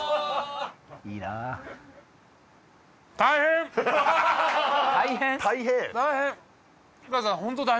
いいな大変？